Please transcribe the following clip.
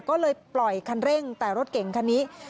ก็เลยปล่อยคันเร่งแต่รถเก่งคันนี้